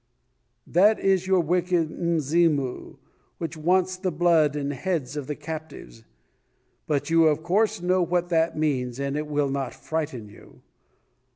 That is your wicked Mzimu, which wants the blood and heads of the captives. But you, of course, know what that means and it will not frighten you.